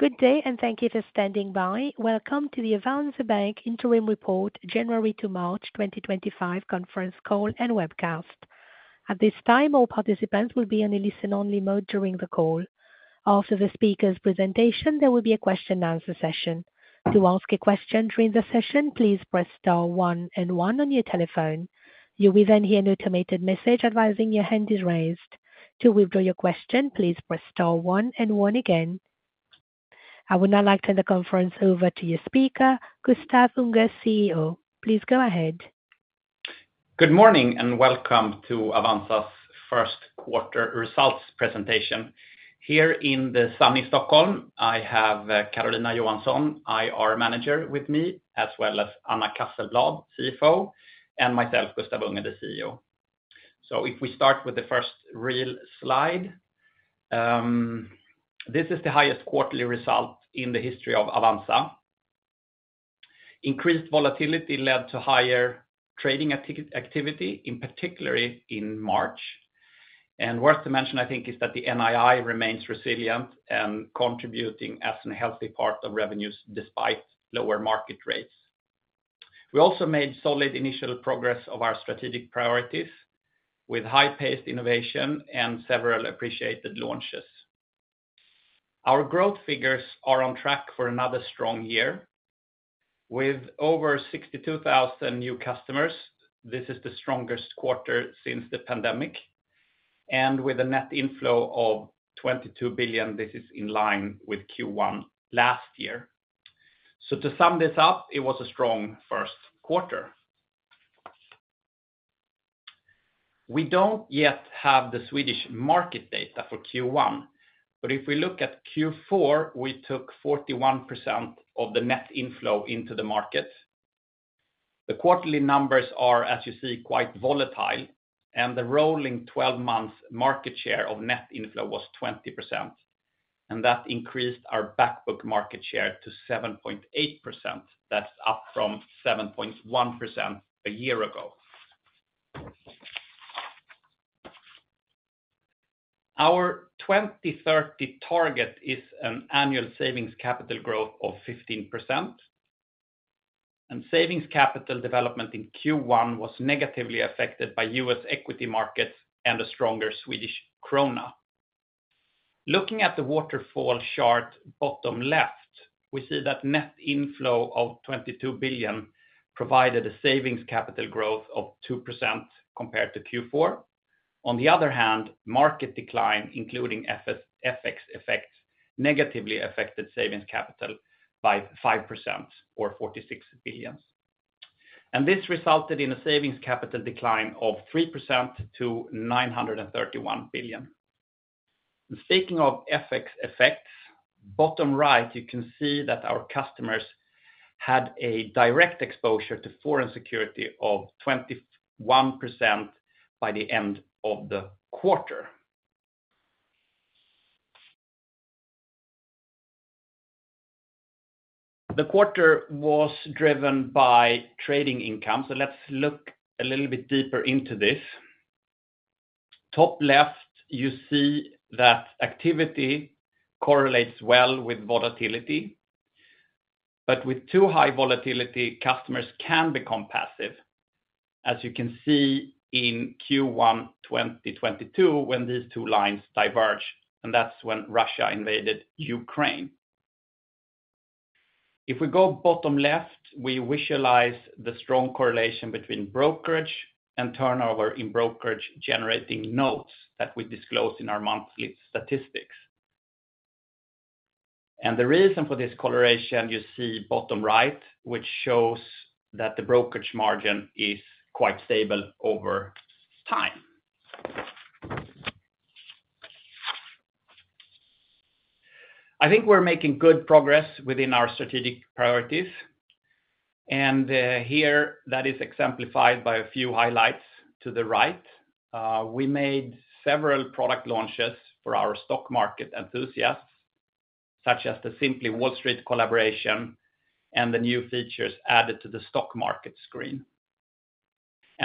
Good day, and thank you for standing by. Welcome to the Avanza Bank Interim Report, January to March 2025, conference call and webcast. At this time, all participants will be in a listen-only mode during the call. After the speaker's presentation, there will be a question-and-answer session. To ask a question during the session, please press star one and one on your telephone. You will then hear an automated message advising your hand is raised. To withdraw your question, please press star one and one again. I would now like to turn the conference over to your speaker, Gustaf Unger, CEO. Please go ahead. Good morning, and welcome to Avanza's first quarter results presentation. Here in the sunny Stockholm, I have Karolina Johansson, IR Manager, with me, as well as Anna Casselblad, CFO, and myself, Gustaf Unger, the CEO. If we start with the first real slide, this is the highest quarterly result in the history of Avanza. Increased volatility led to higher trading activity, in particular in March. Worth mentioning, I think, is that the NII remains resilient and contributing as a healthy part of revenues despite lower market rates. We also made solid initial progress of our strategic priorities with high-paced innovation and several appreciated launches. Our growth figures are on track for another strong year. With over 62,000 new customers, this is the strongest quarter since the pandemic. With a net inflow of 22 billion, this is in line with Q1 last year. To sum this up, it was a strong first quarter. We do not yet have the Swedish market data for Q1, but if we look at Q4, we took 41% of the net inflow into the market. The quarterly numbers are, as you see, quite volatile, and the rolling 12-month market share of net inflow was 20%. That increased our backbook market share to 7.8%. That is up from 7.1% a year ago. Our 2030 target is an annual savings capital growth of 15%. Savings capital development in Q1 was negatively affected by US equity markets and a stronger Swedish krona. Looking at the waterfall chart bottom left, we see that net inflow of 22 billion provided a savings capital growth of 2% compared to Q4. On the other hand, market decline, including FX effects, negatively affected savings capital by 5%, or 46 billion. This resulted in a savings capital decline of 3% to 931 billion. Speaking of FX effects, bottom right, you can see that our customers had a direct exposure to foreign security of 21% by the end of the quarter. The quarter was driven by trading income, so let's look a little bit deeper into this. Top left, you see that activity correlates well with volatility. With too high volatility, customers can become passive. As you can see in Q1 2022, when these two lines diverged, and that's when Russia invaded Ukraine. If we go bottom left, we visualize the strong correlation between brokerage and turnover in brokerage-generating notes that we disclose in our monthly statistics. The reason for this correlation, you see bottom right, which shows that the brokerage margin is quite stable over time. I think we're making good progress within our strategic priorities. Here, that is exemplified by a few highlights to the right. We made several product launches for our stock market enthusiasts, such as the Simply Wall Street collaboration and the new features added to the stock market screen.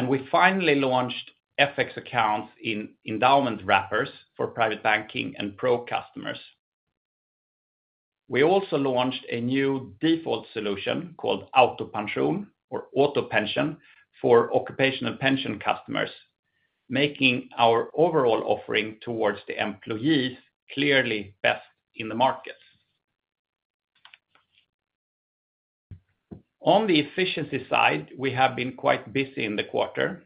We finally launched FX accounts in endowment wrappers for Private Banking and Pro customers. We also launched a new default solution called AutoPension, or AutoPension, for occupational pension customers, making our overall offering towards the employees clearly best in the markets. On the efficiency side, we have been quite busy in the quarter.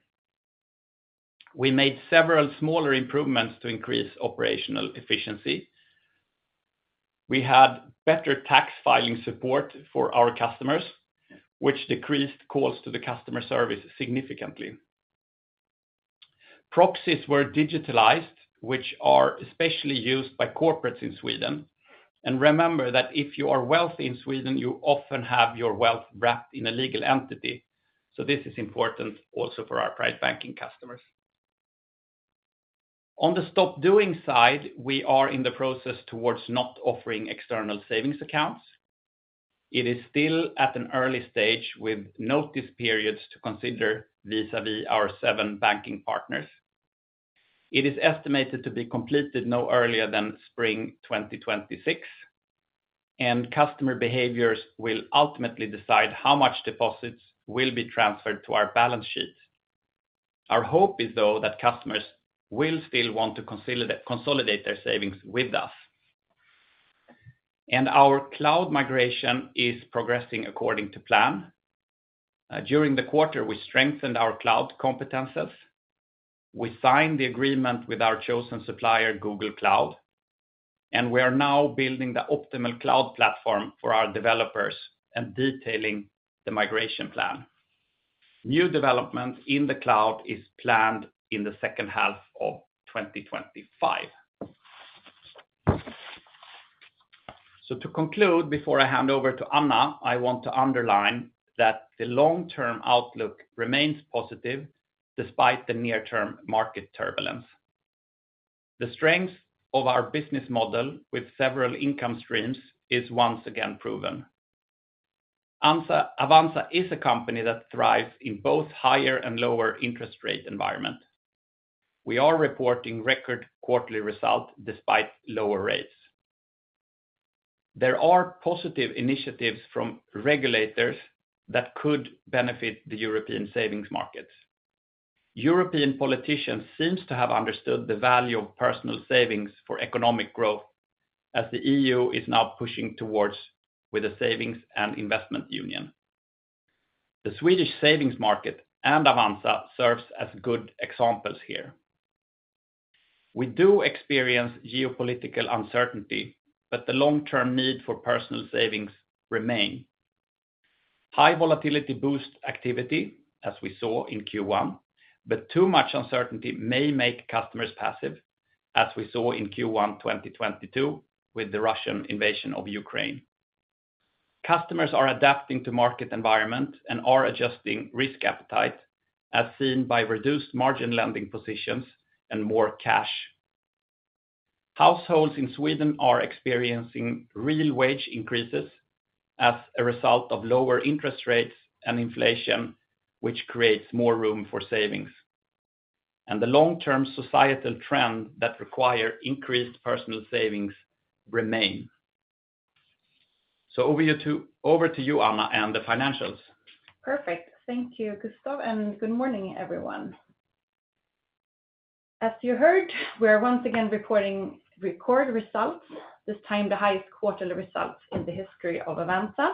We made several smaller improvements to increase operational efficiency. We had better tax filing support for our customers, which decreased calls to the customer service significantly. Proxies were digitalized, which are especially used by corporates in Sweden. Remember that if you are wealthy in Sweden, you often have your wealth wrapped in a legal entity. This is important also for our Private Banking customers. On the stop-doing side, we are in the process towards not offering external savings accounts. It is still at an early stage with notice periods to consider vis-à-vis our seven banking partners. It is estimated to be completed no earlier than spring 2026. Customer behaviors will ultimately decide how much deposits will be transferred to our balance sheet. Our hope is, though, that customers will still want to consolidate their savings with us. Our cloud migration is progressing according to plan. During the quarter, we strengthened our cloud competences. We signed the agreement with our chosen supplier, Google Cloud. We are now building the optimal cloud platform for our developers and detailing the migration plan. New development in the cloud is planned in the second half of 2025. To conclude, before I hand over to Anna, I want to underline that the long-term outlook remains positive despite the near-term market turbulence. The strength of our business model with several income streams is once again proven. Avanza is a company that thrives in both higher and lower interest rate environments. We are reporting record quarterly results despite lower rates. There are positive initiatives from regulators that could benefit the European savings markets. European politicians seem to have understood the value of personal savings for economic growth, as the EU is now pushing towards a savings and investment union. The Swedish savings market and Avanza serve as good examples here. We do experience geopolitical uncertainty, but the long-term need for personal savings remains. High volatility boosts activity, as we saw in Q1, but too much uncertainty may make customers passive, as we saw in Q1 2022 with the Russian invasion of Ukraine. Customers are adapting to the market environment and are adjusting risk appetite, as seen by reduced margin lending positions and more cash. Households in Sweden are experiencing real wage increases as a result of lower interest rates and inflation, which creates more room for savings. The long-term societal trends that require increased personal savings remain. Over to you, Anna, and the financials. Perfect. Thank you, Gustaf, and good morning, everyone. As you heard, we are once again reporting record results, this time the highest quarterly results in the history of Avanza.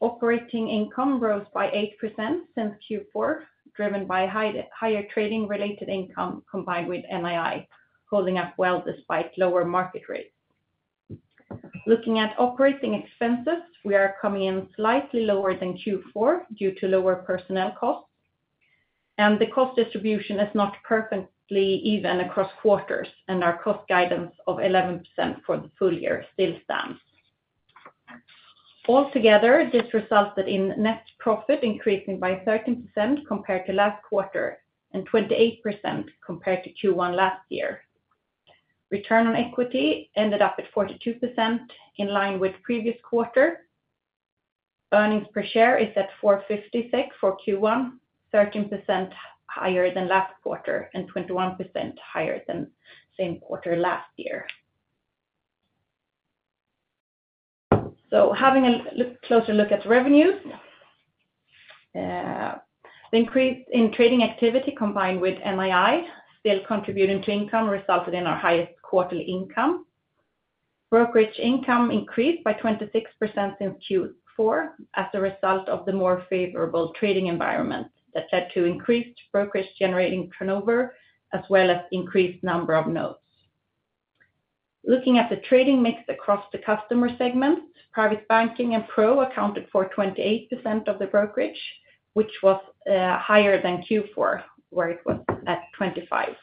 Operating income rose by 8% since Q4, driven by higher trading-related income combined with NII holding up well despite lower market rates. Looking at operating expenses, we are coming in slightly lower than Q4 due to lower personnel costs. The cost distribution is not perfectly even across quarters, and our cost guidance of 11% for the full year still stands. Altogether, this resulted in net profit increasing by 13% compared to last quarter and 28% compared to Q1 last year. Return on equity ended up at 42%, in line with the previous quarter. Earnings per share is at 4.56 SEK for Q1, 13% higher than last quarter and 21% higher than the same quarter last year. Having a closer look at revenues, the increase in trading activity combined with NII still contributing to income resulted in our highest quarterly income. Brokerage income increased by 26% since Q4 as a result of the more favorable trading environment that led to increased brokerage-generating turnover, as well as an increased number of notes. Looking at the trading mix across the customer segments, Private Banking and Pro accounted for 28% of the brokerage, which was higher than Q4, where it was at 25%.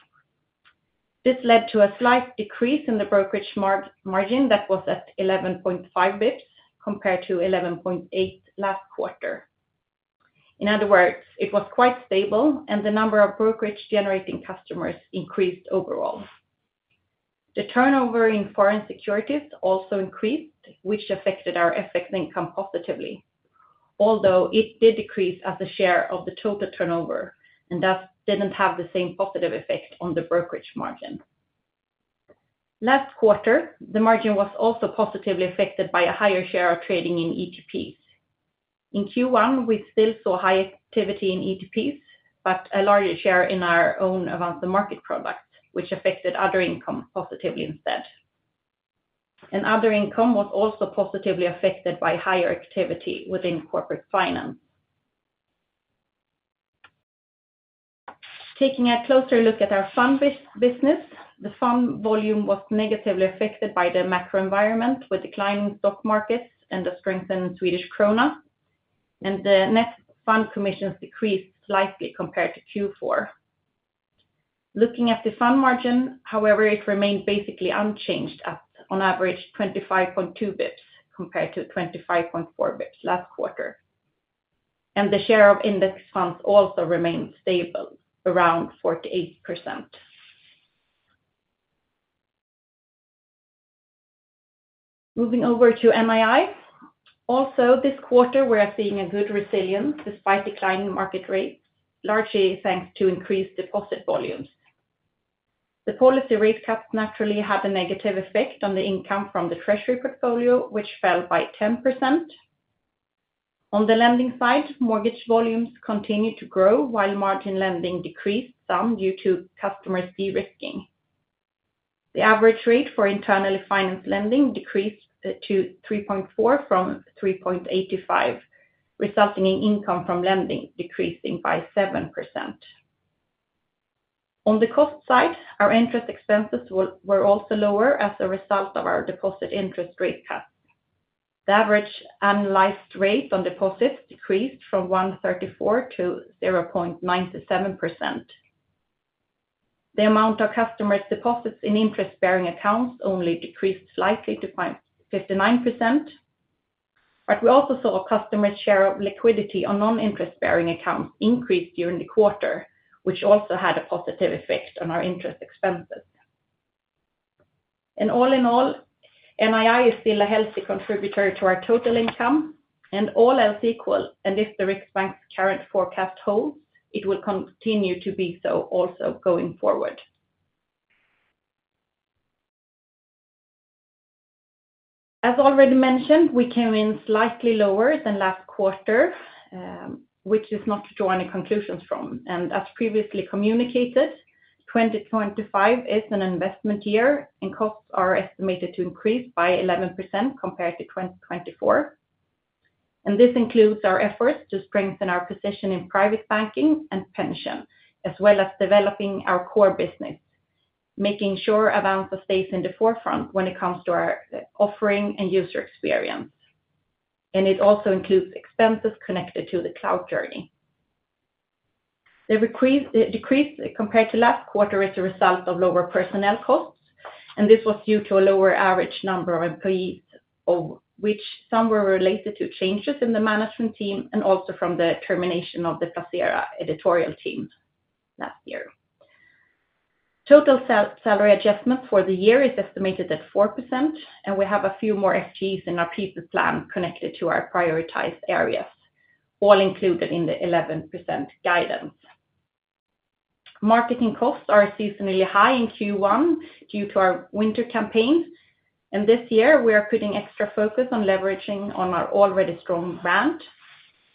This led to a slight decrease in the brokerage margin that was at 11.5 basis points compared to 11.8 last quarter. In other words, it was quite stable, and the number of brokerage-generating customers increased overall. The turnover in foreign securities also increased, which affected our FX income positively, although it did decrease as a share of the total turnover and thus did not have the same positive effect on the brokerage margin. Last quarter, the margin was also positively affected by a higher share of trading in ETPs. In Q1, we still saw high activity in ETPs, but a larger share in our own Avanza Markets product, which affected other income positively instead. Other income was also positively affected by higher activity within corporate finance. Taking a closer look at our fund business, the fund volume was negatively affected by the macro environment with declining stock markets and the strengthened Swedish krona. The net fund commissions decreased slightly compared to Q4. Looking at the fund margin, however, it remained basically unchanged at, on average, 25.2 basis points compared to 25.4 basis points last quarter. The share of index funds also remained stable, around 48%. Moving over to NII, also this quarter, we are seeing a good resilience despite declining market rates, largely thanks to increased deposit volumes. The policy rate cuts naturally had a negative effect on the income from the treasury portfolio, which fell by 10%. On the lending side, mortgage volumes continued to grow, while margin lending decreased some due to customers' de-risking. The average rate for internally financed lending decreased to 3.4% from 3.85%, resulting in income from lending decreasing by 7%. On the cost side, our interest expenses were also lower as a result of our deposit interest rate cuts. The average annualized rate on deposits decreased from 1.34% to 0.97%. The amount of customers' deposits in interest-bearing accounts only decreased slightly to 59%. We also saw a customer's share of liquidity on non-interest-bearing accounts increase during the quarter, which also had a positive effect on our interest expenses. All in all, NII is still a healthy contributor to our total income, all else equal. If the Sveriges Riksbank's current forecast holds, it will continue to be so also going forward. As already mentioned, we came in slightly lower than last quarter, which is not to draw any conclusions from. As previously communicated, 2025 is an investment year, and costs are estimated to increase by 11% compared to 2024. This includes our efforts to strengthen our position in Private Banking and pension, as well as developing our core business, making sure Avanza stays in the forefront when it comes to our offering and user experience. It also includes expenses connected to the cloud journey. The decrease compared to last quarter is a result of lower personnel costs, and this was due to a lower average number of employees, of which some were related to changes in the management team and also from the termination of the Placer editorial team last year. Total salary adjustment for the year is estimated at 4%, and we have a few more FTEs in our people plan connected to our prioritized areas, all included in the 11% guidance. Marketing costs are seasonally high in Q1 due to our winter campaign. This year, we are putting extra focus on leveraging on our already strong brand.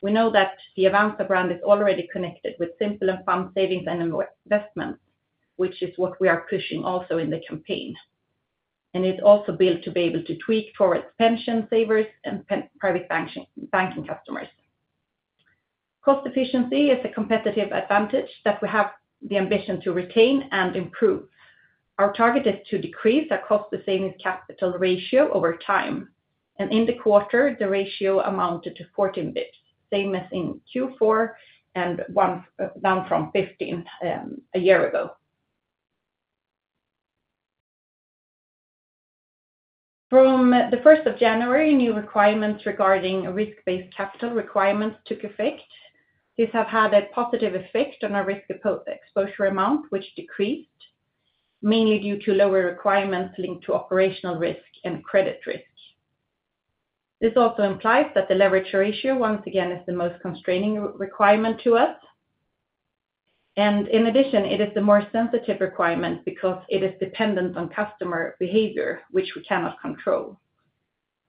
We know that the Avanza brand is already connected with simple and firm savings annual investments, which is what we are pushing also in the campaign. It is also built to be able to tweak for its pension savers and Private Banking customers. Cost efficiency is a competitive advantage that we have the ambition to retain and improve. Our target is to decrease our cost-to-savings capital ratio over time. In the quarter, the ratio amounted to 14 basis points, same as in Q4 and down from 15 a year ago. From the 1st of January, new requirements regarding risk-based capital requirements took effect. These have had a positive effect on our risk exposure amount, which decreased mainly due to lower requirements linked to operational risk and credit risk. This also implies that the leverage ratio once again is the most constraining requirement to us. In addition, it is the more sensitive requirement because it is dependent on customer behavior, which we cannot control.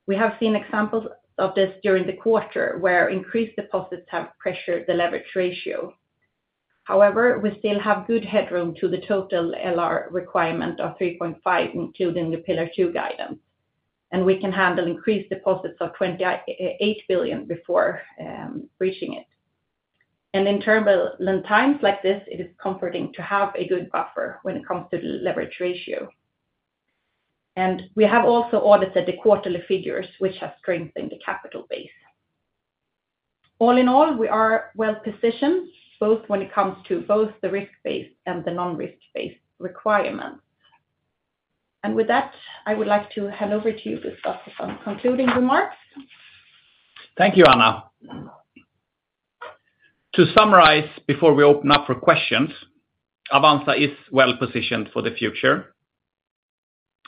We have seen examples of this during the quarter where increased deposits have pressured the leverage ratio. However, we still have good headroom to the total LR requirement of 3.5, including the Pillar 2 guidance. We can handle increased deposits of 28 billion before reaching it. In turbulent times like this, it is comforting to have a good buffer when it comes to the leverage ratio. We have also audited the quarterly figures, which have strengthened the capital base. All in all, we are well positioned both when it comes to both the risk-based and the non-risk-based requirements. With that, I would like to hand over to you, Gustaf, for some concluding remarks. Thank you, Anna. To summarize before we open up for questions, Avanza is well positioned for the future.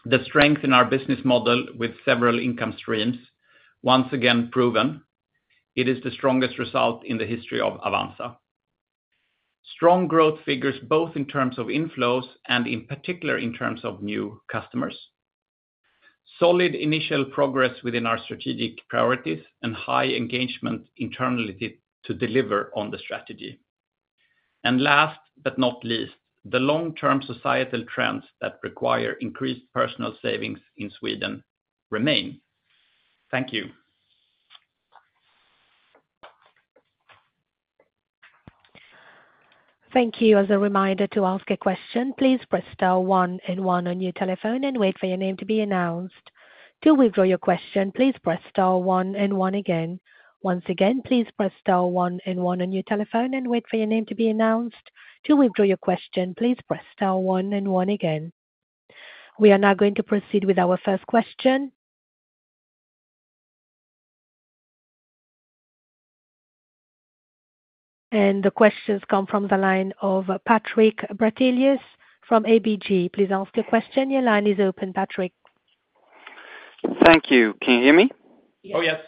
The strength in our business model with several income streams once again proven. It is the strongest result in the history of Avanza. Strong growth figures both in terms of inflows and in particular in terms of new customers. Solid initial progress within our strategic priorities and high engagement internally to deliver on the strategy. Last but not least, the long-term societal trends that require increased personal savings in Sweden remain. Thank you. Thank you. As a reminder to ask a question, please press star one and one on your telephone and wait for your name to be announced. To withdraw your question, please press star one and one again. Once again, please press star one and one on your telephone and wait for your name to be announced. To withdraw your question, please press star one and one again. We are now going to proceed with our first question. The questions come from the line of Patrick Bratelius from ABG. Please ask your question. Your line is open, Patrick. Thank you. Can you hear me? Oh, yes.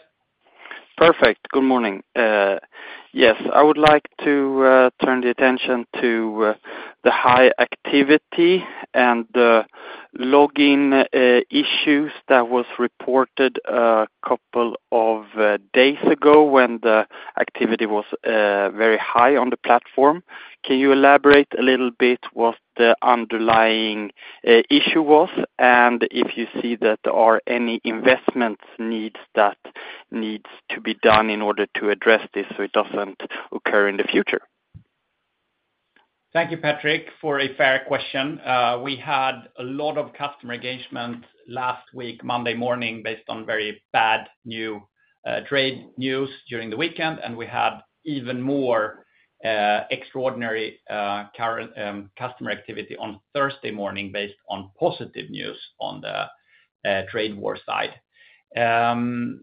Perfect. Good morning. Yes, I would like to turn the attention to the high activity and login issues that were reported a couple of days ago when the activity was very high on the platform. Can you elaborate a little bit what the underlying issue was and if you see that there are any investment needs that need to be done in order to address this so it does not occur in the future? Thank you, Patrick, for a fair question. We had a lot of customer engagement last week Monday morning based on very bad new trade news during the weekend, and we had even more extraordinary customer activity on Thursday morning based on positive news on the trade war side. The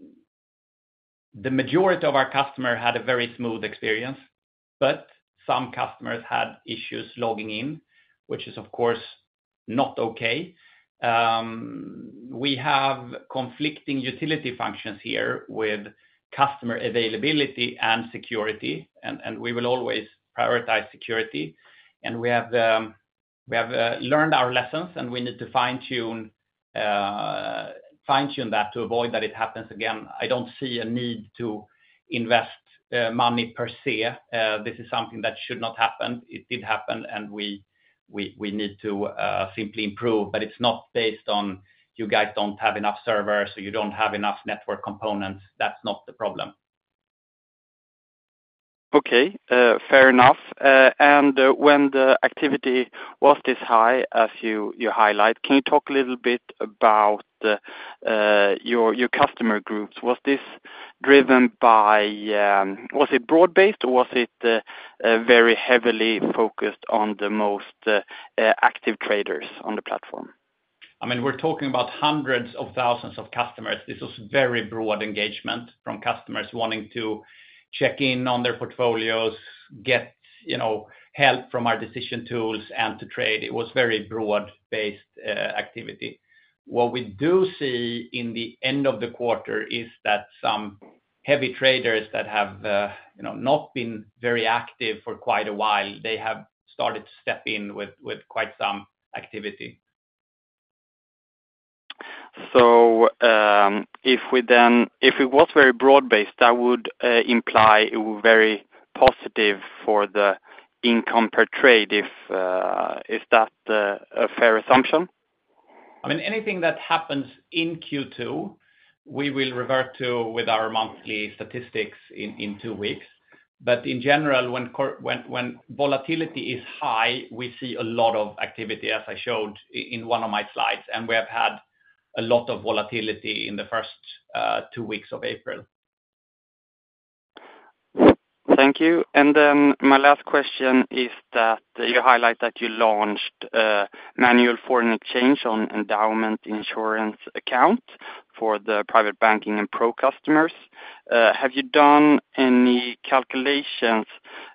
majority of our customers had a very smooth experience, but some customers had issues logging in, which is, of course, not okay. We have conflicting utility functions here with customer availability and security, and we will always prioritize security. We have learned our lessons, and we need to fine-tune that to avoid that it happens again. I do not see a need to invest money per se. This is something that should not happen. It did happen, and we need to simply improve. It is not based on, "You guys do not have enough servers," or, "You do not have enough network components." That is not the problem. Okay, fair enough. When the activity was this high, as you highlight, can you talk a little bit about your customer groups? Was this driven by, was it broad-based, or was it very heavily focused on the most active traders on the platform? I mean, we're talking about hundreds of thousands of customers. This was very broad engagement from customers wanting to check in on their portfolios, get help from our decision tools and to trade. It was very broad-based activity. What we do see in the end of the quarter is that some heavy traders that have not been very active for quite a while, they have started to step in with quite some activity. If it was very broad-based, that would imply it was very positive for the income per trade. Is that a fair assumption? I mean, anything that happens in Q2, we will revert to with our monthly statistics in two weeks. In general, when volatility is high, we see a lot of activity, as I showed in one of my slides, and we have had a lot of volatility in the first two weeks of April. Thank you. My last question is that you highlight that you launched manual foreign exchange on endowment insurance accounts for the Private Banking and Pro customers. Have you done any calculations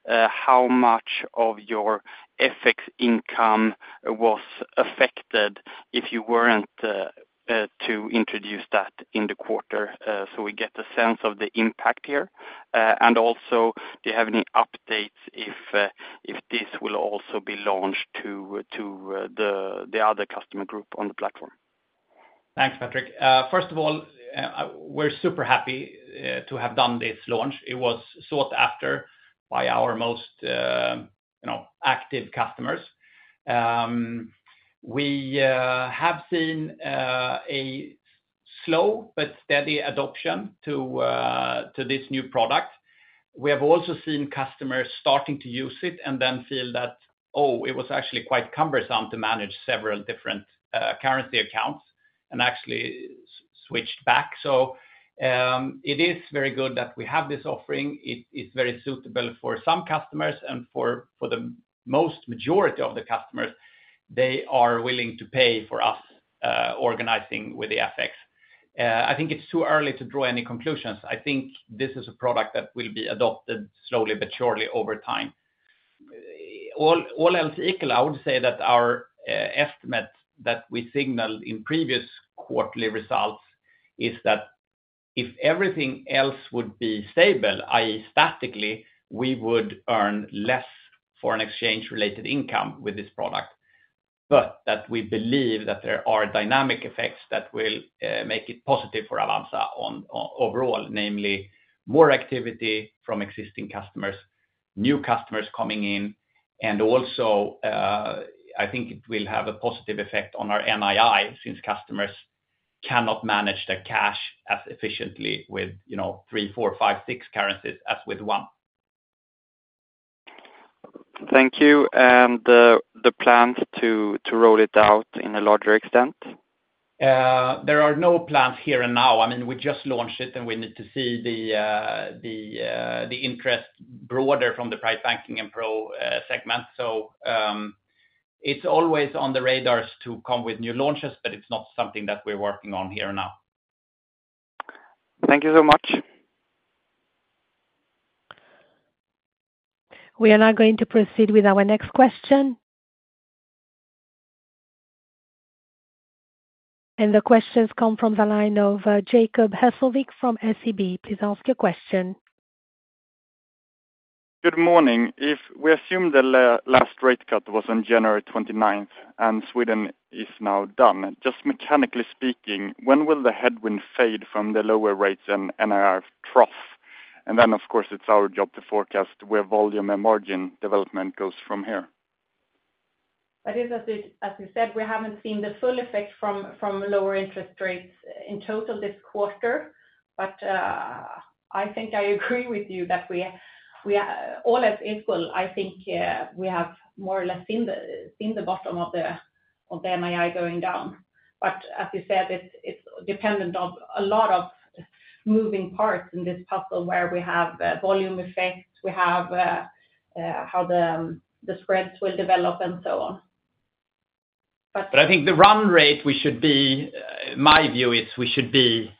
how much of your FX income was affected if you were not to introduce that in the quarter so we get a sense of the impact here? Also, do you have any updates if this will also be launched to the other customer group on the platform? Thanks, Patrick. First of all, we're super happy to have done this launch. It was sought after by our most active customers. We have seen a slow but steady adoption to this new product. We have also seen customers starting to use it and then feel that, "Oh, it was actually quite cumbersome to manage several different currency accounts and actually switched back." It is very good that we have this offering. It is very suitable for some customers, and for the most majority of the customers, they are willing to pay for us organizing with the FX. I think it's too early to draw any conclusions. I think this is a product that will be adopted slowly but surely over time. All else equal, I would say that our estimate that we signaled in previous quarterly results is that if everything else would be stable, i.e., statically, we would earn less foreign exchange-related income with this product. We believe that there are dynamic effects that will make it positive for Avanza overall, namely more activity from existing customers, new customers coming in, and also, I think it will have a positive effect on our NII since customers cannot manage their cash as efficiently with three, four, five, six currencies as with one. Thank you. Are the plans to roll it out in a larger extent? There are no plans here and now. I mean, we just launched it, and we need to see the interest broader from the Private Banking and Pro segment. It is always on the radars to come with new launches, but it is not something that we are working on here and now. Thank you so much. We are now going to proceed with our next question. The questions come from the line of Jacob Hesselblad from SEB. Please ask your question. Good morning. If we assume the last rate cut was on January 29 and Sweden is now done, just mechanically speaking, when will the headwind fade from the lower rates and NIR trough? Of course, it's our job to forecast where volume and margin development goes from here. That is, as you said, we have not seen the full effect from lower interest rates in total this quarter. I think I agree with you that all else equal, I think we have more or less seen the bottom of the NII going down. As you said, it is dependent on a lot of moving parts in this puzzle where we have volume effects, we have how the spreads will develop, and so on. I think the run rate, my view, is we should be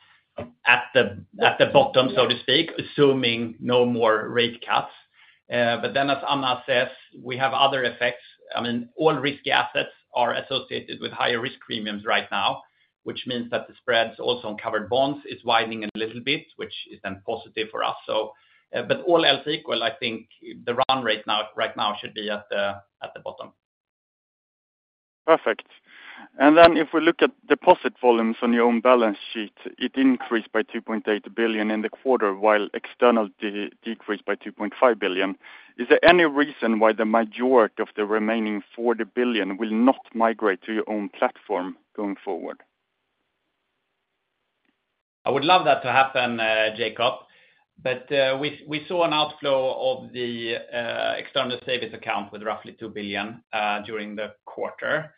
at the bottom, so to speak, assuming no more rate cuts. As Anna says, we have other effects. I mean, all risky assets are associated with higher risk premiums right now, which means that the spreads also on covered bonds are widening a little bit, which is then positive for us. All else equal, I think the run rate right now should be at the bottom. Perfect. If we look at deposit volumes on your own balance sheet, it increased by 2.8 billion in the quarter, while external decreased by 2.5 billion. Is there any reason why the majority of the remaining 40 billion will not migrate to your own platform going forward? I would love that to happen, Jacob. We saw an outflow of the external savings account with roughly 2 billion during the quarter.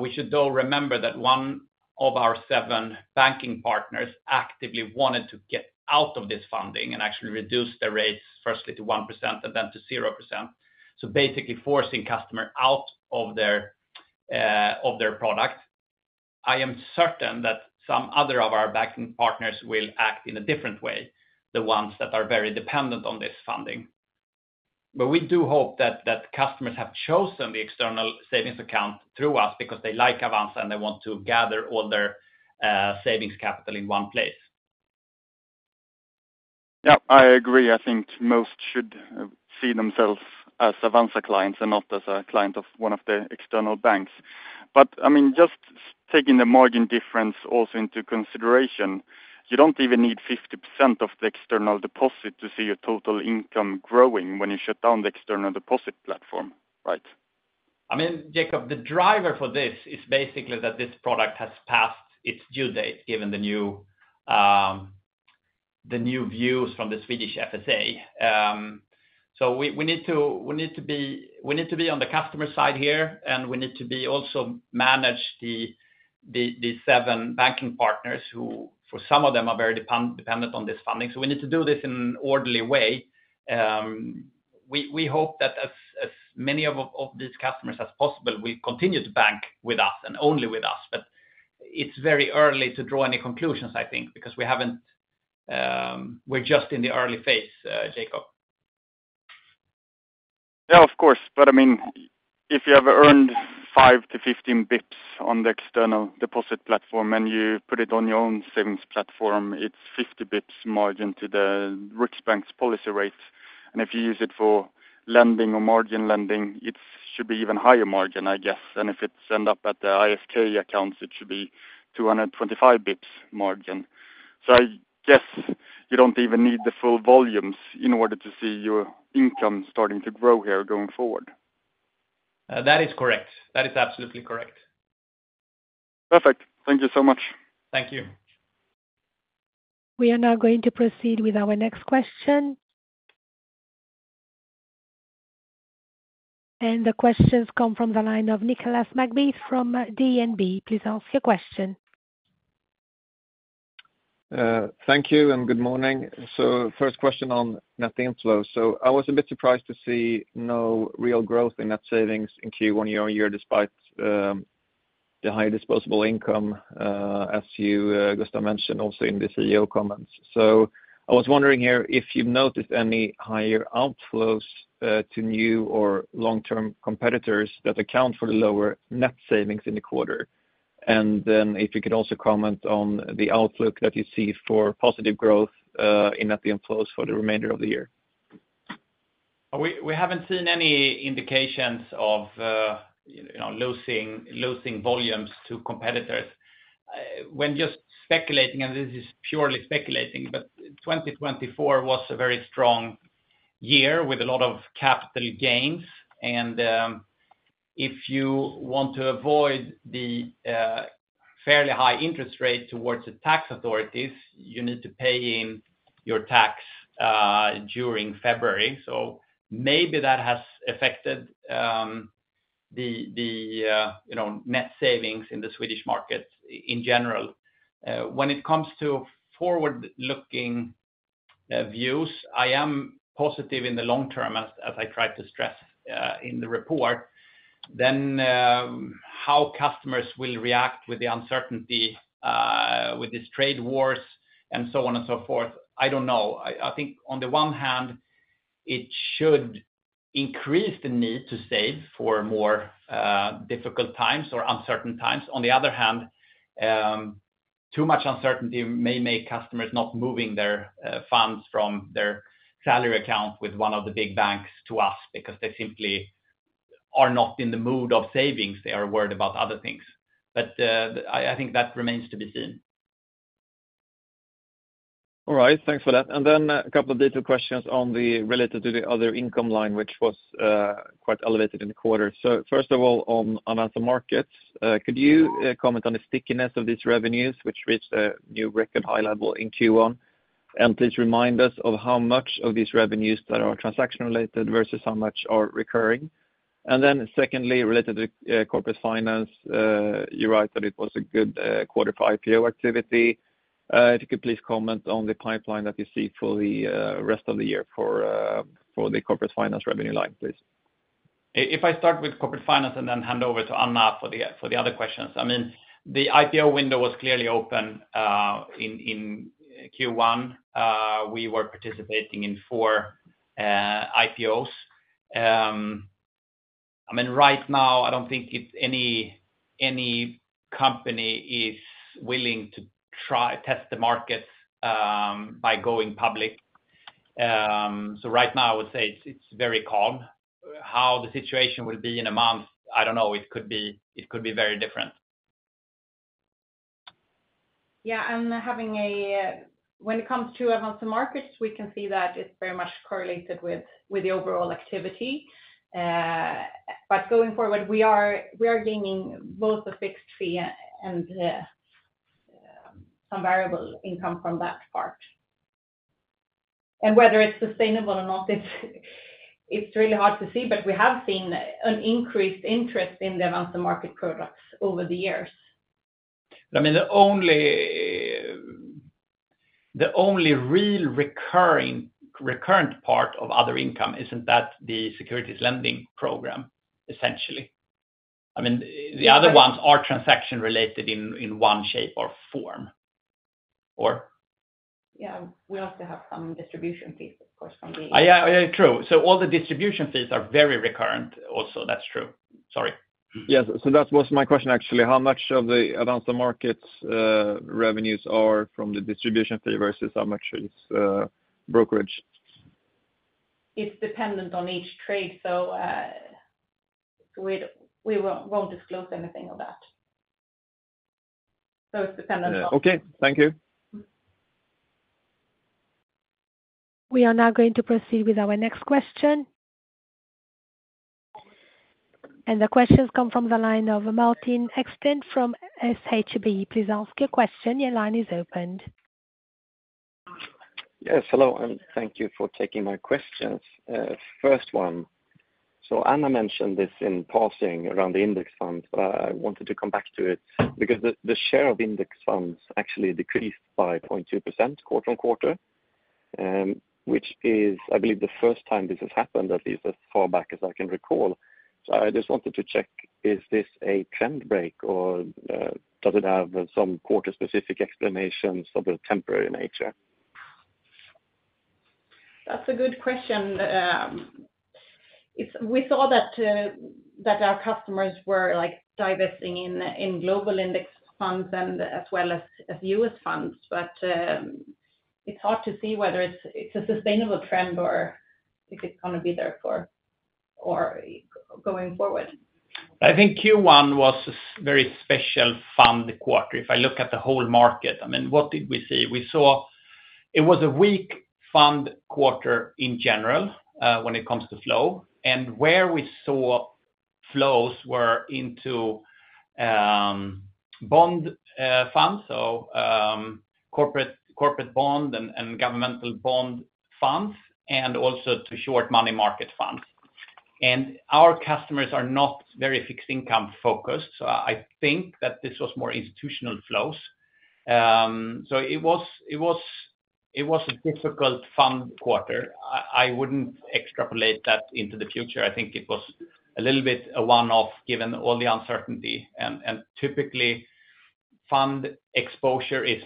We should, though, remember that one of our seven banking partners actively wanted to get out of this funding and actually reduce the rates, firstly to 1% and then to 0%, basically forcing customers out of their product. I am certain that some other of our banking partners will act in a different way, the ones that are very dependent on this funding. We do hope that customers have chosen the external savings account through us because they like Avanza and they want to gather all their savings capital in one place. Yeah, I agree. I think most should see themselves as Avanza clients and not as a client of one of the external banks. I mean, just taking the margin difference also into consideration, you do not even need 50% of the external deposit to see your total income growing when you shut down the external deposit platform, right? I mean, Jacob, the driver for this is basically that this product has passed its due date, given the new views from the Swedish FSA. We need to be on the customer side here, and we need to also manage the seven banking partners who, for some of them, are very dependent on this funding. We need to do this in an orderly way. We hope that as many of these customers as possible will continue to bank with us and only with us. It is very early to draw any conclusions, I think, because we're just in the early phase, Jacob. Yeah, of course. I mean, if you have earned 5-15 basis points on the external deposit platform and you put it on your own savings platform, it is 50 basis points margin to the Riksbank's policy rates. If you use it for lending or margin lending, it should be even higher margin, I guess. If it is ended up at the ISK accounts, it should be 225 basis points margin. I guess you do not even need the full volumes in order to see your income starting to grow here going forward. That is correct. That is absolutely correct. Perfect. Thank you so much. Thank you. We are now going to proceed with our next question. The questions come from the line of Nicholas Magbeth from DNB. Please ask your question. Thank you and good morning. First question on net inflow. I was a bit surprised to see no real growth in net savings in Q1 year on year despite the higher disposable income, as you, Gustaf, mentioned also in the CEO comments. I was wondering here if you have noticed any higher outflows to new or long-term competitors that account for the lower net savings in the quarter. If you could also comment on the outlook that you see for positive growth in net inflows for the remainder of the year. We haven't seen any indications of losing volumes to competitors. When just speculating, and this is purely speculating, but 2024 was a very strong year with a lot of capital gains. If you want to avoid the fairly high interest rate towards the tax authorities, you need to pay in your tax during February. Maybe that has affected the net savings in the Swedish market in general. When it comes to forward-looking views, I am positive in the long term, as I tried to stress in the report. How customers will react with the uncertainty, with these trade wars, and so on and so forth, I don't know. I think on the one hand, it should increase the need to save for more difficult times or uncertain times. On the other hand, too much uncertainty may make customers not moving their funds from their salary account with one of the big banks to us because they simply are not in the mood of savings. They are worried about other things. I think that remains to be seen. All right. Thanks for that. A couple of detailed questions related to the other income line, which was quite elevated in the quarter. First of all, on Avanza Markets, could you comment on the stickiness of these revenues, which reached a new record high level in Q1? Please remind us of how much of these revenues are transaction-related versus how much are recurring. Secondly, related to corporate finance, you write that it was a good quarter for IPO activity. If you could please comment on the pipeline that you see for the rest of the year for the corporate finance revenue line, please. If I start with corporate finance and then hand over to Anna for the other questions. I mean, the IPO window was clearly open in Q1. We were participating in four IPOs. I mean, right now, I do not think any company is willing to test the market by going public. Right now, I would say it is very calm. How the situation will be in a month, I do not know. It could be very different. Yeah. When it comes to Avanza Markets, we can see that it's very much correlated with the overall activity. Going forward, we are gaining both a fixed fee and some variable income from that part. Whether it's sustainable or not, it's really hard to see, but we have seen an increased interest in the Avanza Markets products over the years. I mean, the only real recurrent part of other income isn't that the securities lending program, essentially. I mean, the other ones are transaction-related in one shape or form, or? Yeah. We also have some distribution fees, of course, from the. Yeah, true. All the distribution fees are very recurrent also. That's true. Sorry. Yes. That was my question, actually. How much of the Avanza Markets' revenues are from the distribution fee versus how much is brokerage? It's dependent on each trade, so we won't disclose anything on that. It's dependent on. Okay. Thank you. We are now going to proceed with our next question. The questions come from the line of Martin Exner from SHB. Please ask your question. Your line is opened. Yes. Hello. Thank you for taking my questions. First one. Anna mentioned this in passing around the index funds, but I wanted to come back to it because the share of index funds actually decreased by 0.2% quarter on quarter, which is, I believe, the first time this has happened, at least as far back as I can recall. I just wanted to check, is this a trend break, or does it have some quarter-specific explanations of a temporary nature? That's a good question. We saw that our customers were divesting in global index funds as well as US funds, but it's hard to see whether it's a sustainable trend or if it's going to be there for going forward. I think Q1 was a very special fund quarter. If I look at the whole market, I mean, what did we see? It was a weak fund quarter in general when it comes to flow. Where we saw flows were into bond funds, so corporate bond and governmental bond funds, and also to short money market funds. Our customers are not very fixed income focused, so I think that this was more institutional flows. It was a difficult fund quarter. I would not extrapolate that into the future. I think it was a little bit a one-off given all the uncertainty. Typically, fund exposure is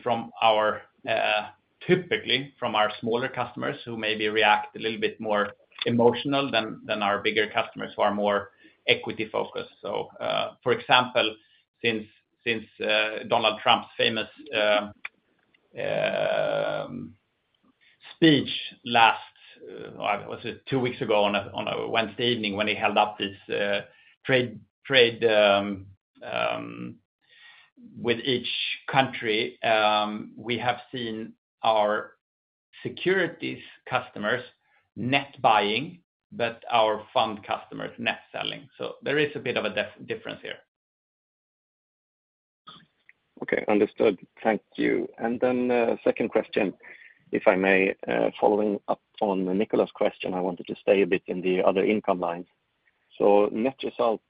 typically from our smaller customers who maybe react a little bit more emotional than our bigger customers who are more equity-focused. For example, since Donald Trump's famous speech last—was it two weeks ago on a Wednesday evening when he held up his trade with each country? We have seen our securities customers net buying, but our fund customers net selling. There is a bit of a difference here. Okay. Understood. Thank you. Then second question, if I may, following up on Nicola's question, I wanted to stay a bit in the other income lines. Net result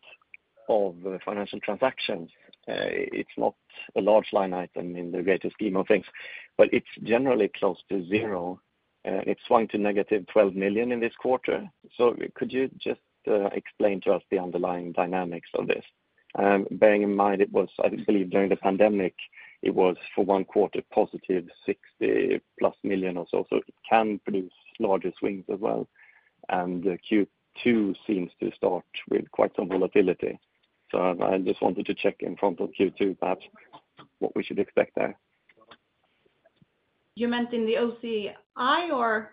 of financial transactions, it's not a large line item in the greater scheme of things, but it's generally close to zero. It swung to negative 12 million in this quarter. Could you just explain to us the underlying dynamics of this? Bearing in mind, I believe during the pandemic, it was for one quarter positive 60-plus million or so. It can produce larger swings as well. Q2 seems to start with quite some volatility. I just wanted to check in front of Q2, perhaps, what we should expect there. You meant in the OCI, or?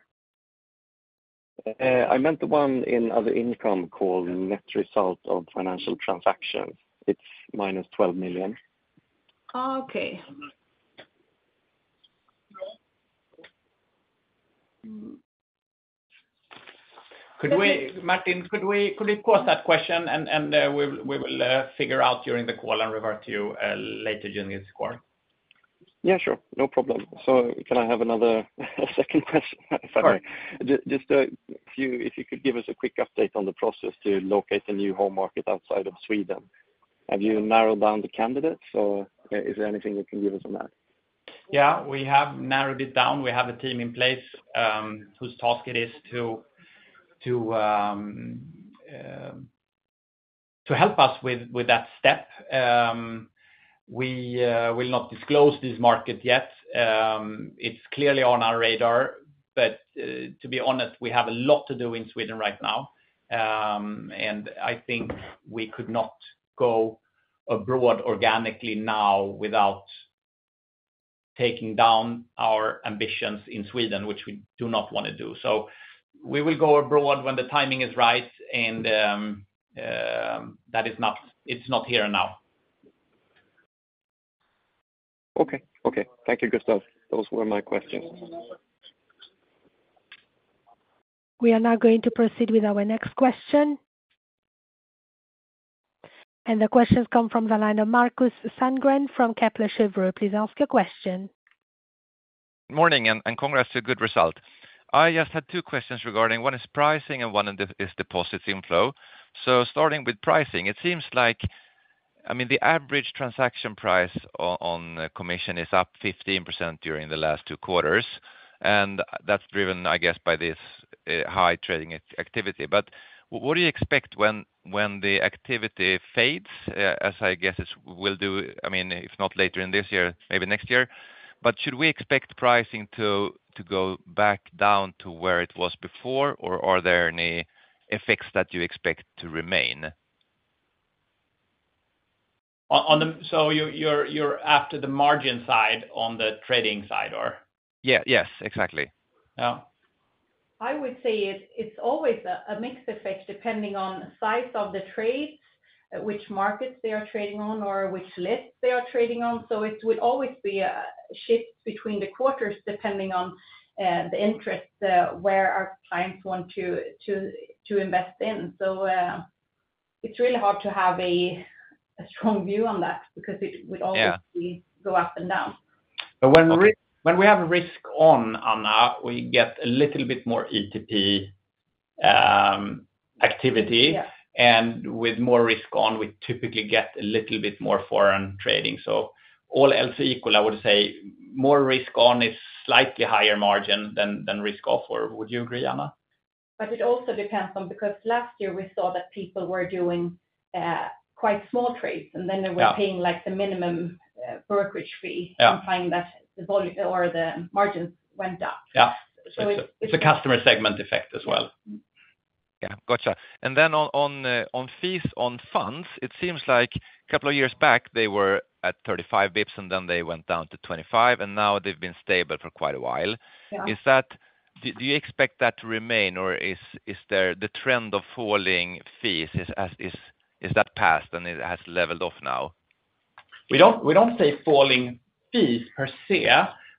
I meant the one in other income called net result of financial transactions. It's minus 12 million. Oh, okay. Martin, could we pause that question, and we will figure out during the call and revert to you later during this call? Yeah, sure. No problem. Can I have another second question? Sure. Just if you could give us a quick update on the process to locate a new home market outside of Sweden. Have you narrowed down the candidates, or is there anything you can give us on that? Yeah. We have narrowed it down. We have a team in place whose task it is to help us with that step. We will not disclose this market yet. It is clearly on our radar. To be honest, we have a lot to do in Sweden right now. I think we could not go abroad organically now without taking down our ambitions in Sweden, which we do not want to do. We will go abroad when the timing is right, and it is not here and now. Okay. Okay. Thank you, Gustaf. Those were my questions. We are now going to proceed with our next question. The questions come from the line of Marcus Sandgren from Kepler Cheuvreux. Please ask your question. Good morning and congrats to a good result. I just had two questions regarding one is pricing and one is deposits inflow. Starting with pricing, it seems like, I mean, the average transaction price on commission is up 15% during the last two quarters. That's driven, I guess, by this high trading activity. What do you expect when the activity fades, as I guess it will do, I mean, if not later in this year, maybe next year? Should we expect pricing to go back down to where it was before, or are there any effects that you expect to remain? You're after the margin side on the trading side, or? Yeah. Yes. Exactly. Yeah. I would say it's always a mixed effect depending on the size of the trades, which markets they are trading on, or which lists they are trading on. It would always be a shift between the quarters depending on the interest where our clients want to invest in. It's really hard to have a strong view on that because it would always go up and down. When we have a risk-on, Anna, we get a little bit more ETP activity. With more risk-on, we typically get a little bit more foreign trading. All else equal, I would say more risk-on is slightly higher margin than risk-off. Would you agree, Anna? It also depends on because last year we saw that people were doing quite small trades, and then they were paying the minimum brokerage fee and finding that the margins went up. Yeah. It is a customer segment effect as well. Yeah. Gotcha. On fees on funds, it seems like a couple of years back, they were at 35 basis points, and then they went down to 25, and now they've been stable for quite a while. Do you expect that to remain, or is the trend of falling fees, is that past and it has leveled off now? We do not see falling fees per se.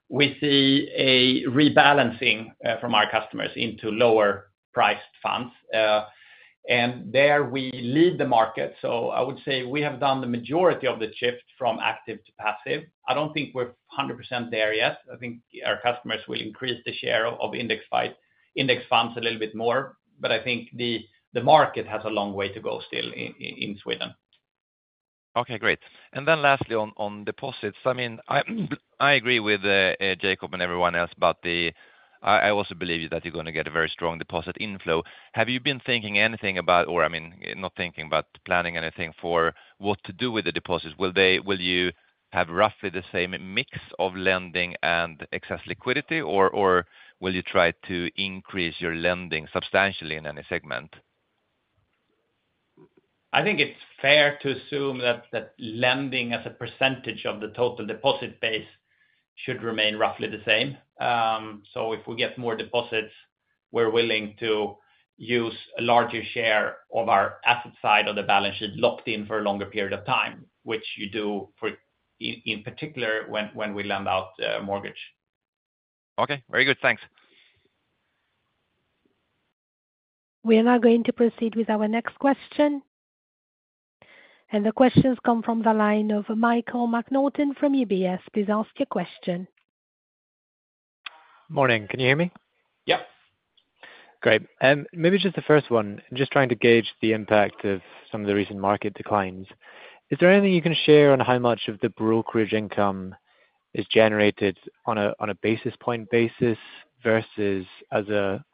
We see a rebalancing from our customers into lower-priced funds. There we lead the market. I would say we have done the majority of the shift from active to passive. I do not think we are 100% there yet. I think our customers will increase the share of index funds a little bit more. I think the market has a long way to go still in Sweden. Okay. Great. Lastly, on deposits, I mean, I agree with Jacob and everyone else, but I also believe that you're going to get a very strong deposit inflow. Have you been thinking anything about, or I mean, not thinking, but planning anything for what to do with the deposits? Will you have roughly the same mix of lending and excess liquidity, or will you try to increase your lending substantially in any segment? I think it's fair to assume that lending as a percentage of the total deposit base should remain roughly the same. If we get more deposits, we're willing to use a larger share of our asset side of the balance sheet locked in for a longer period of time, which you do in particular when we lend out a mortgage. Okay. Very good. Thanks. We are now going to proceed with our next question. The questions come from the line of Michael McNaughton from UBS. Please ask your question. Morning. Can you hear me? Yep. Great. Maybe just the first one, just trying to gauge the impact of some of the recent market declines. Is there anything you can share on how much of the brokerage income is generated on a basis point basis versus on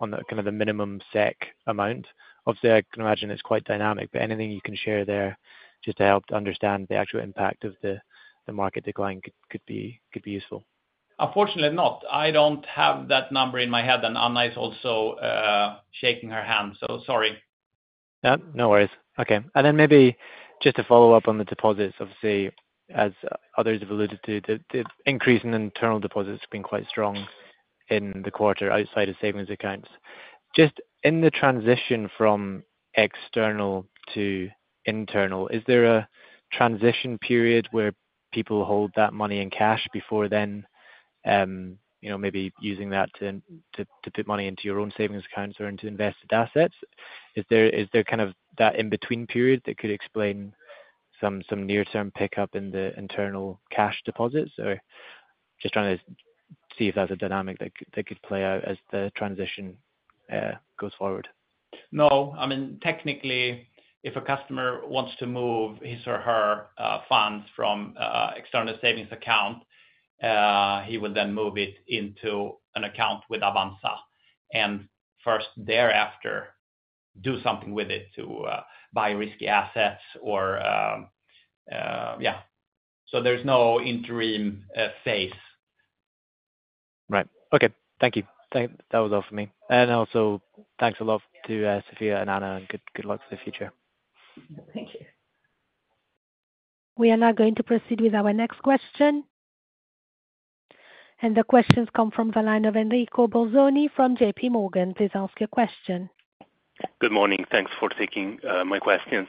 kind of the minimum SEK amount? Obviously, I can imagine it's quite dynamic, but anything you can share there just to help to understand the actual impact of the market decline could be useful. Unfortunately, not. I don't have that number in my head, and Anna is also shaking her hand. Sorry. Yeah. No worries. Okay. Maybe just to follow up on the deposits, obviously, as others have alluded to, the increase in internal deposits has been quite strong in the quarter outside of savings accounts. Just in the transition from external to internal, is there a transition period where people hold that money in cash before then maybe using that to put money into your own savings accounts or into invested assets? Is there kind of that in-between period that could explain some near-term pickup in the internal cash deposits, or just trying to see if that's a dynamic that could play out as the transition goes forward? No. I mean, technically, if a customer wants to move his or her funds from an external savings account, he will then move it into an account with Avanza and first thereafter do something with it to buy risky assets or yeah. There is no interim phase. Right. Okay. Thank you. That was all for me. Also, thanks a lot to SB and Anna, and good luck for the future. Thank you. We are now going to proceed with our next question. The questions come from the line of Enrico Bolzoni from JP Morgan. Please ask your question. Good morning. Thanks for taking my question.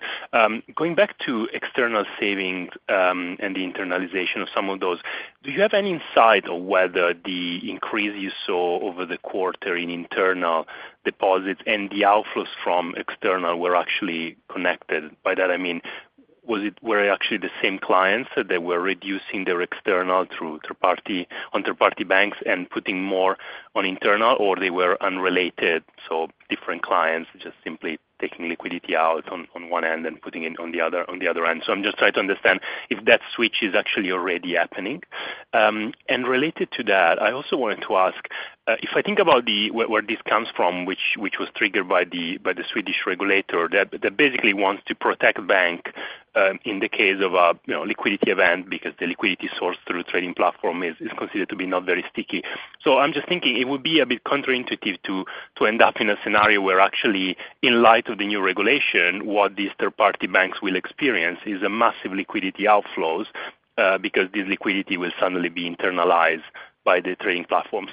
Going back to external savings and the internalization of some of those, do you have any insight on whether the increase you saw over the quarter in internal deposits and the outflows from external were actually connected? By that, I mean, were they actually the same clients that were reducing their external through third-party banks and putting more on internal, or they were unrelated? Different clients just simply taking liquidity out on one end and putting it on the other end. I am just trying to understand if that switch is actually already happening. Related to that, I also wanted to ask, if I think about where this comes from, which was triggered by the Swedish regulator that basically wants to protect banks in the case of a liquidity event because the liquidity source through trading platform is considered to be not very sticky. I am just thinking it would be a bit counterintuitive to end up in a scenario where actually, in light of the new regulation, what these third-party banks will experience is massive liquidity outflows because this liquidity will suddenly be internalized by the trading platforms.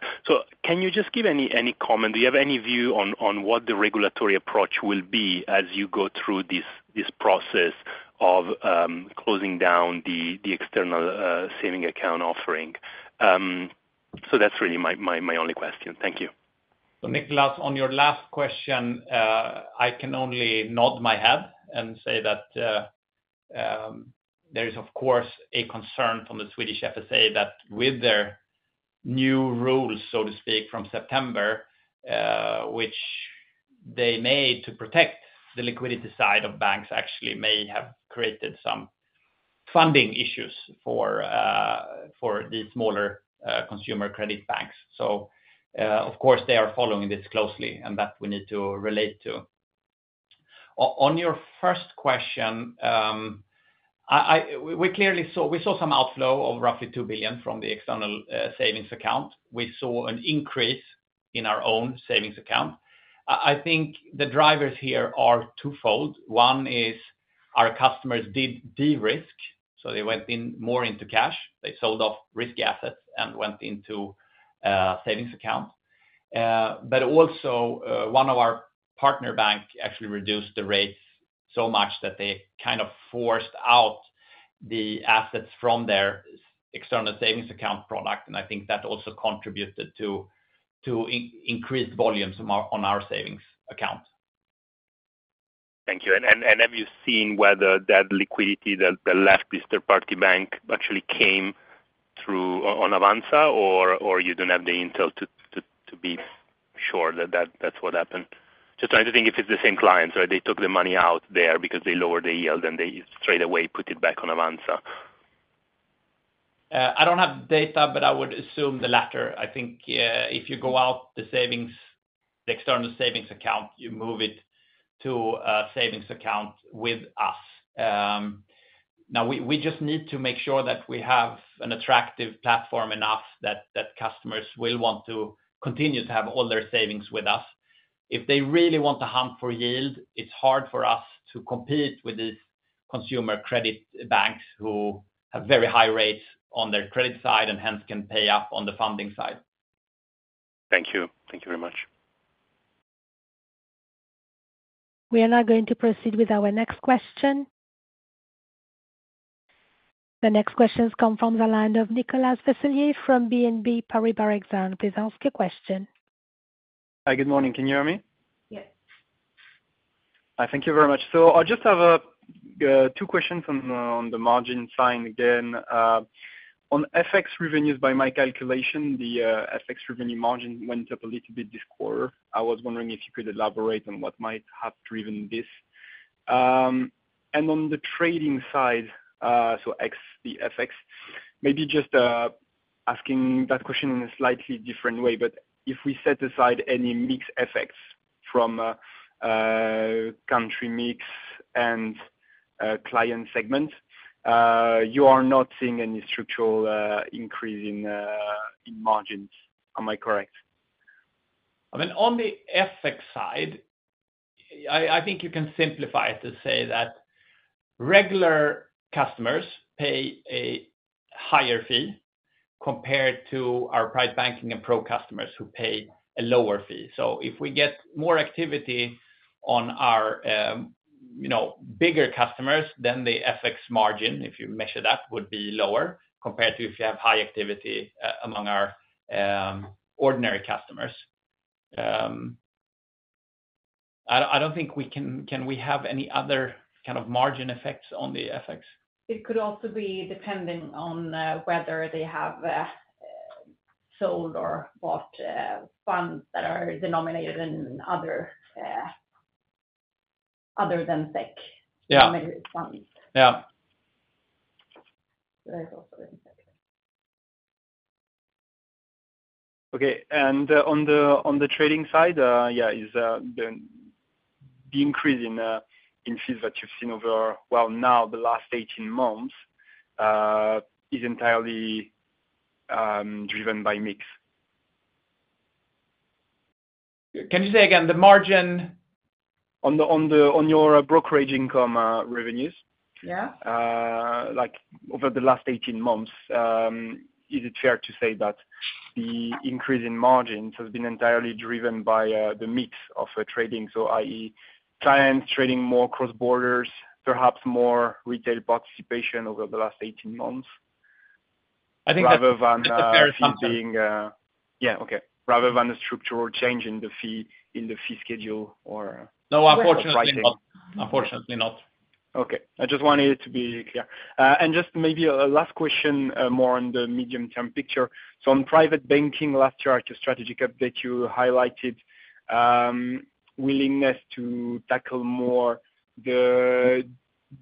Can you just give any comment? Do you have any view on what the regulatory approach will be as you go through this process of closing down the external saving account offering? That is really my only question. Thank you. Nicholas, on your last question, I can only nod my head and say that there is, of course, a concern from the Swedish FSA that with their new rules, so to speak, from September, which they made to protect the liquidity side of banks, actually may have created some funding issues for these smaller consumer credit banks. Of course, they are following this closely and that we need to relate to. On your first question, we saw some outflow of roughly 2 billion from the external savings account. We saw an increase in our own savings account. I think the drivers here are twofold. One is our customers did de-risk, so they went more into cash. They sold off risky assets and went into savings accounts. Also, one of our partner banks actually reduced the rates so much that they kind of forced out the assets from their external savings account product. I think that also contributed to increased volumes on our savings account. Thank you. Have you seen whether that liquidity that left this third-party bank actually came through on Avanza, or you do not have the intel to be sure that that is what happened? Just trying to think if it is the same clients, right? They took the money out there because they lowered the yield and they straight away put it back on Avanza. I don't have data, but I would assume the latter. I think if you go out the external savings account, you move it to a savings account with us. Now, we just need to make sure that we have an attractive platform enough that customers will want to continue to have all their savings with us. If they really want to hunt for yield, it's hard for us to compete with these consumer credit banks who have very high rates on their credit side and hence can pay up on the funding side. Thank you. Thank you very much. We are now going to proceed with our next question. The next question is come from the line of Nicholas Vassiliev from BNP Paribas. Please ask your question. Hi. Good morning. Can you hear me? Yes. Thank you very much. I just have two questions on the margin side again. On FX revenues, by my calculation, the FX revenue margin went up a little bit this quarter. I was wondering if you could elaborate on what might have driven this. On the trading side, so the FX, maybe just asking that question in a slightly different way, but if we set aside any mixed FX from country mix and client segment, you are not seeing any structural increase in margins. Am I correct? I mean, on the FX side, I think you can simplify it to say that regular customers pay a higher fee compared to our Private Banking and Pro customers who pay a lower fee. If we get more activity on our bigger customers, then the FX margin, if you measure that, would be lower compared to if you have high activity among our ordinary customers. I do not think we can—can we have any other kind of margin effects on the FX? It could also be depending on whether they have sold or bought funds that are denominated in other than SEK denominated funds. Yeah. Yeah. There's also the SEC. Okay. On the trading side, yeah, the increase in fees that you've seen over, now the last 18 months, is entirely driven by mix? Can you say again the margin? On your brokerage income revenues, over the last 18 months, is it fair to say that the increase in margins has been entirely driven by the mix of trading, so i.e., clients trading more cross borders, perhaps more retail participation over the last 18 months, rather than something? I think that's a fair assumption. Yeah. Okay. Rather than a structural change in the fee schedule or pricing? No, unfortunately, not. Okay. I just wanted to be clear. Just maybe a last question more on the medium-term picture. On private banking last year, at your strategic update, you highlighted willingness to tackle more the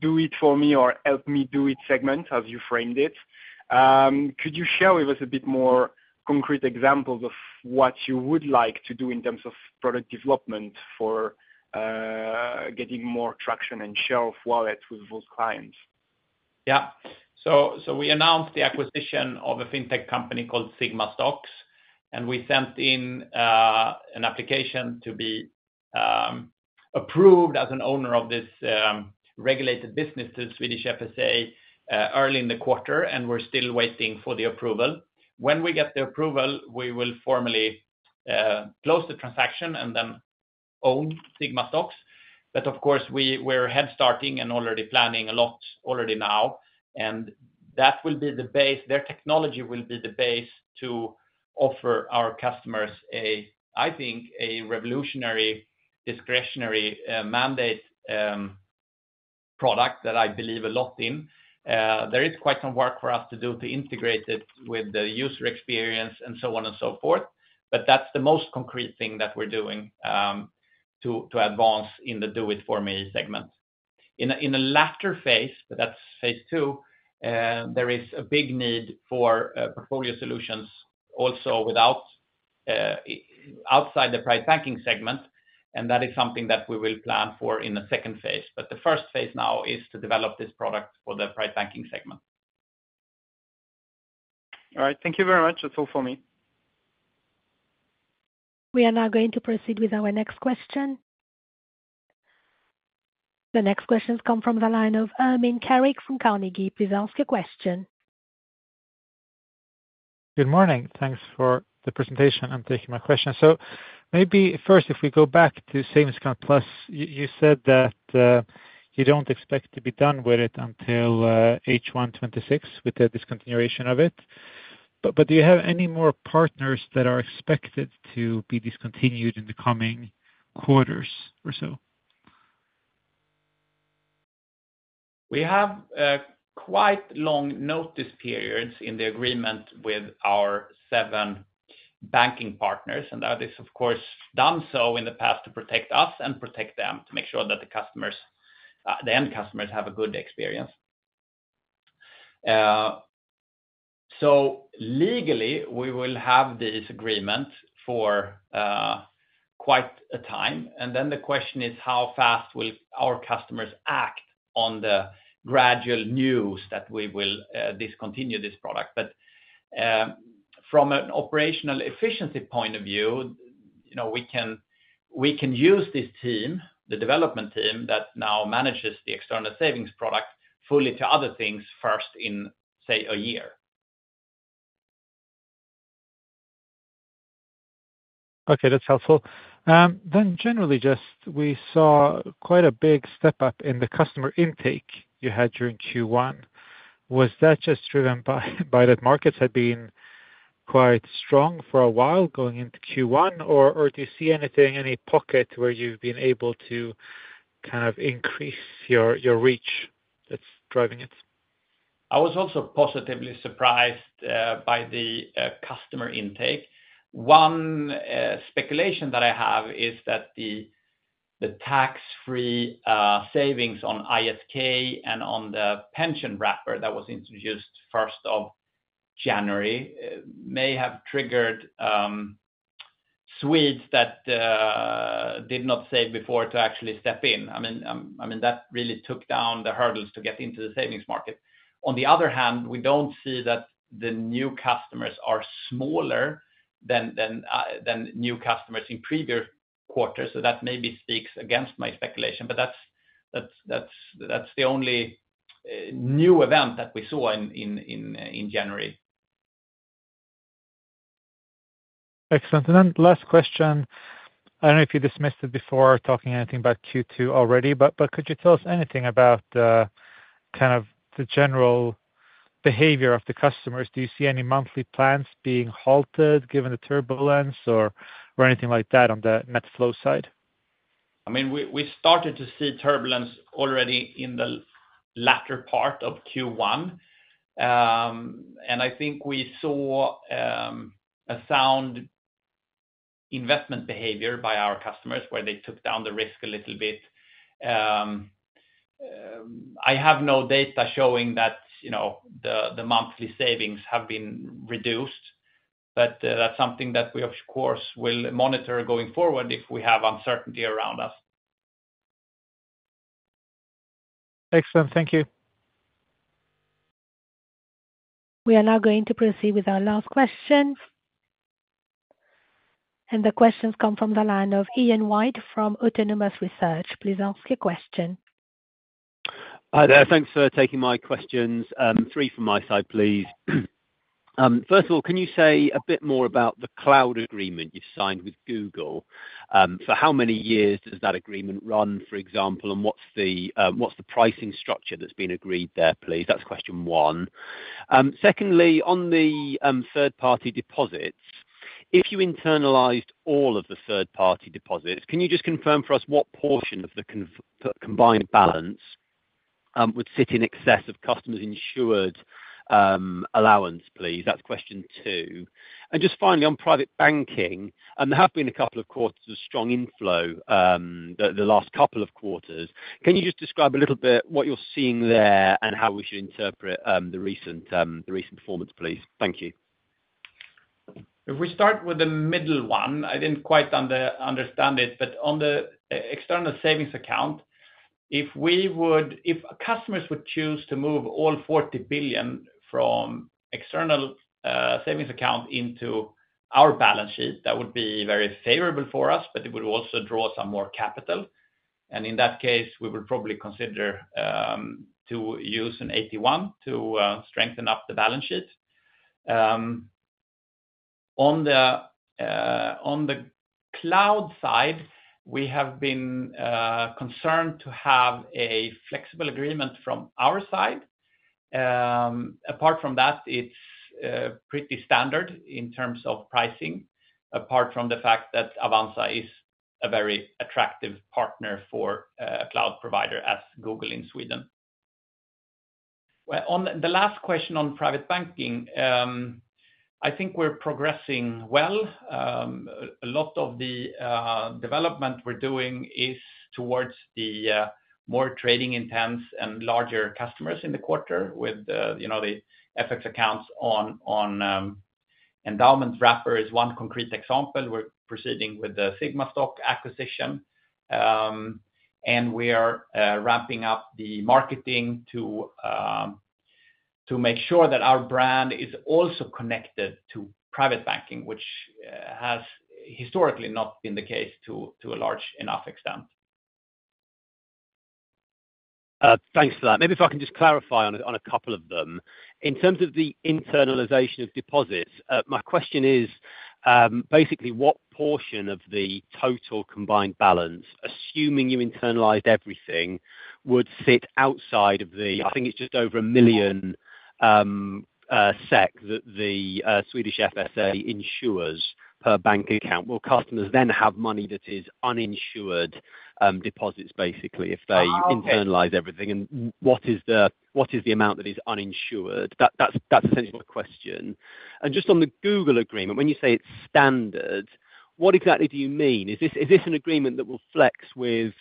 do-it-for-me or help-me-do-it segment, as you framed it. Could you share with us a bit more concrete examples of what you would like to do in terms of product development for getting more traction and share of wallets with those clients? Yeah. We announced the acquisition of a fintech company called Sigma Stocks, and we sent in an application to be approved as an owner of this regulated business to the Swedish FSA early in the quarter, and we're still waiting for the approval. When we get the approval, we will formally close the transaction and then own Sigma Stocks. Of course, we're head-starting and already planning a lot already now. That will be the base—their technology will be the base to offer our customers, I think, a revolutionary discretionary mandate product that I believe a lot in. There is quite some work for us to do to integrate it with the user experience and so on and so forth, but that's the most concrete thing that we're doing to advance in the do-it-for-me segment. In a later phase, but that's phase two, there is a big need for portfolio solutions also outside the Private Banking segment, and that is something that we will plan for in the second phase. The first phase now is to develop this product for the Private Banking segment. All right. Thank you very much. That's all for me. We are now going to proceed with our next question. The next questions come from the line of Ermin Keric from Carnegie. Please ask your question. Good morning. Thanks for the presentation. I'm taking my question. If we go back to Savings Account Plus, you said that you don't expect to be done with it until H126 with the discontinuation of it. Do you have any more partners that are expected to be discontinued in the coming quarters or so? We have quite long notice periods in the agreement with our seven banking partners, and that is, of course, done so in the past to protect us and protect them to make sure that the end customers have a good experience. Legally, we will have these agreements for quite a time, and the question is how fast will our customers act on the gradual news that we will discontinue this product. From an operational efficiency point of view, we can use this team, the development team that now manages the external savings product, fully to other things first in, say, a year. Okay. That's helpful. Then generally, just we saw quite a big step up in the customer intake you had during Q1. Was that just driven by that markets had been quite strong for a while going into Q1, or do you see anything, any pocket where you've been able to kind of increase your reach that's driving it? I was also positively surprised by the customer intake. One speculation that I have is that the tax-free savings on ISK and on the pension wrapper that was introduced first of January may have triggered Swedes that did not save before to actually step in. I mean, that really took down the hurdles to get into the savings market. On the other hand, we do not see that the new customers are smaller than new customers in previous quarters, so that maybe speaks against my speculation, but that is the only new event that we saw in January. Excellent. Last question. I do not know if you dismissed it before talking anything about Q2 already, but could you tell us anything about kind of the general behavior of the customers? Do you see any monthly plans being halted given the turbulence or anything like that on the net flow side? I mean, we started to see turbulence already in the latter part of Q1, and I think we saw a sound investment behavior by our customers where they took down the risk a little bit. I have no data showing that the monthly savings have been reduced, but that's something that we, of course, will monitor going forward if we have uncertainty around us. Excellent. Thank you. We are now going to proceed with our last question. The questions come from the line of Ian White from Autonomous Research. Please ask your question. Hi. Thanks for taking my questions. Three from my side, please. First of all, can you say a bit more about the cloud agreement you've signed with Google? For how many years does that agreement run, for example, and what's the pricing structure that's been agreed there, please? That's question one. Secondly, on the third-party deposits, if you internalized all of the third-party deposits, can you just confirm for us what portion of the combined balance would sit in excess of customers' insured allowance, please? That's question two. Just finally, on private banking, there have been a couple of quarters of strong inflow the last couple of quarters. Can you just describe a little bit what you're seeing there and how we should interpret the recent performance, please? Thank you. If we start with the middle one, I didn't quite understand it, but on the external savings account, if customers would choose to move all 40 billion from external savings account into our balance sheet, that would be very favorable for us, but it would also draw some more capital. In that case, we would probably consider to use an AT1 to strengthen up the balance sheet. On the cloud side, we have been concerned to have a flexible agreement from our side. Apart from that, it's pretty standard in terms of pricing, apart from the fact that Avanza is a very attractive partner for a cloud provider as Google in Sweden. On the last question on Private Banking, I think we're progressing well. A lot of the development we're doing is towards the more trading intents and larger customers in the quarter with the FX accounts on endowment wrapper is one concrete example. We're proceeding with the Sigma Stocks acquisition, and we are ramping up the marketing to make sure that our brand is also connected to Private Banking, which has historically not been the case to a large enough extent. Thanks for that. Maybe if I can just clarify on a couple of them. In terms of the internalization of deposits, my question is basically what portion of the total combined balance, assuming you internalized everything, would sit outside of the—I think it's just over 1 million SEK that the Swedish FSA insures per bank account? Will customers then have money that is uninsured deposits, basically, if they internalize everything? And what is the amount that is uninsured? That's essentially my question. Just on the Google agreement, when you say it's standard, what exactly do you mean? Is this an agreement that will flex with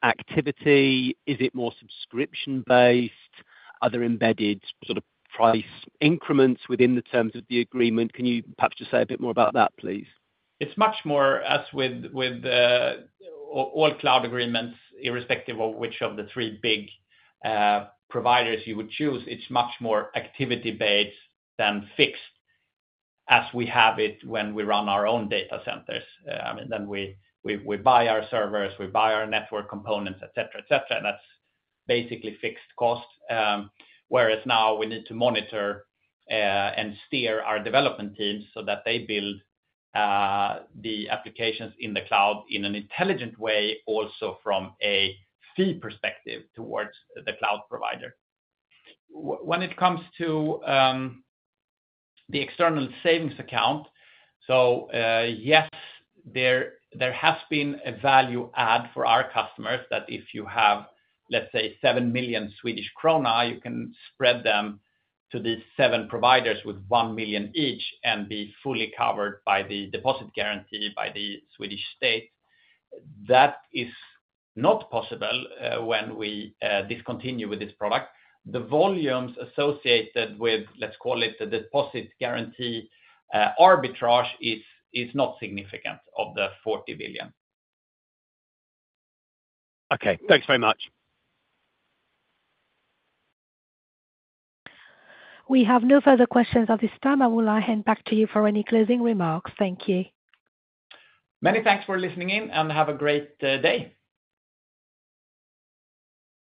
activity? Is it more subscription-based? Are there embedded sort of price increments within the terms of the agreement? Can you perhaps just say a bit more about that, please? It's much more as with all cloud agreements, irrespective of which of the three big providers you would choose, it's much more activity-based than fixed as we have it when we run our own data centers. I mean, then we buy our servers, we buy our network components, etc., etc. That's basically fixed cost, whereas now we need to monitor and steer our development teams so that they build the applications in the cloud in an intelligent way also from a fee perspective towards the cloud provider. When it comes to the external savings account, yes, there has been a value add for our customers that if you have, let's say, 7 million Swedish krona, you can spread them to these seven providers with 1 million each and be fully covered by the deposit guarantee by the Swedish state. That is not possible when we discontinue with this product. The volumes associated with, let's call it, the deposit guarantee arbitrage, is not significant of the 40 billion. Okay. Thanks very much. We have no further questions at this time. I will now hand back to you for any closing remarks. Thank you. Many thanks for listening in, and have a great day.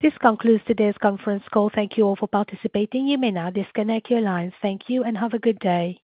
This concludes today's conference call. Thank you all for participating. Imena, this can echo your lines. Thank you and have a good day.